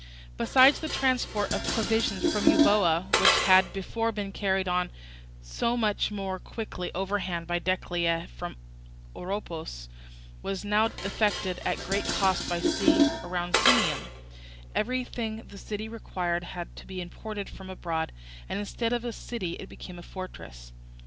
Besides, the transport of provisions from Euboea, which had before been carried on so much more quickly overland by Decelea from Oropus, was now effected at great cost by sea round Sunium; everything the city required had to be imported from abroad, and instead of a city it became a fortress.